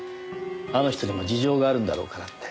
あの人にも事情があるんだろうからって。